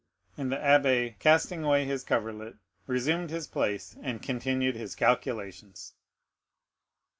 And the abbé, casting away his coverlet, resumed his place, and continued his calculations.